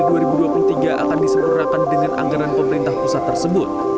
tidak akan disempurnakan dengan anggaran pemerintah pusat tersebut